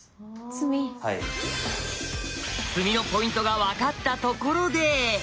詰みのポイントが分かったところで。